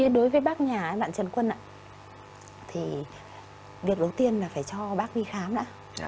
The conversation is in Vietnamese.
đối với bác nhà bạn trần quân ạ thì việc đầu tiên là phải cho bác đi khám đã